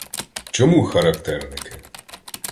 Чому характерники?